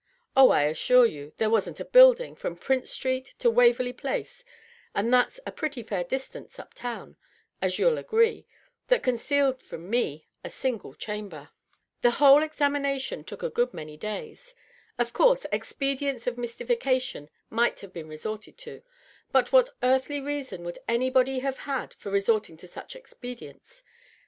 .. Oh, I assure you, there wasn't, a building, from Prince Street to Waverley Place — and that's a pretty fair distance up town, as you'll agree — that concealed from me a single chamber. The whole examina tion took a good many days. Of course expedients of mystification might have been resorted to. But what earthly reason would anybody have had for resorting to such expedients?